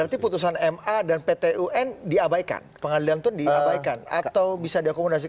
berarti putusan ma dan pt un diabaikan pengadilan itu diabaikan atau bisa diakomodasikan